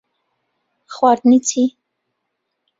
خواردنی چی؟